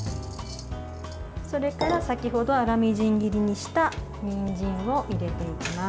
それから先ほど粗みじん切りにしたにんじんを入れていきます。